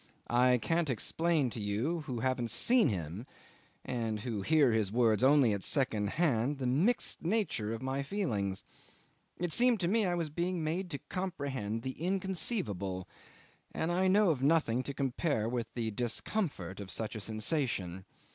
I can't explain to you who haven't seen him and who hear his words only at second hand the mixed nature of my feelings. It seemed to me I was being made to comprehend the Inconceivable and I know of nothing to compare with the discomfort of such a sensation.